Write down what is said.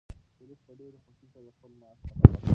شریف په ډېرې خوښۍ سره د خپل معاش خبر ورکړ.